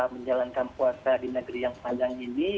menjalankan puasa di negeri yang panjang ini